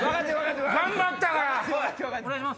頑張ったから。